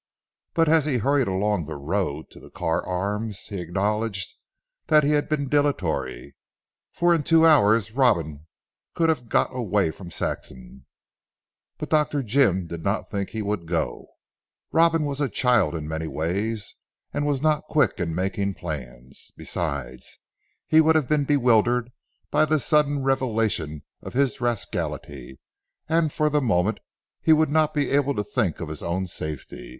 But as he hurried along the road to the Carr Arms he acknowledged that he had been dilatory, for in two hours Robin could have got away from Saxham. But Dr. Jim did not think he would go. Robin was a child in many ways, and was not quick in making plans. Besides, he would be bewildered by the sudden revelation of his rascality and for the moment he would not be able to think of his own safety.